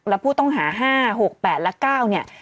แล้วผู้ต้องหา๕๖๘และ๙